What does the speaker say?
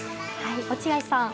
落合さん。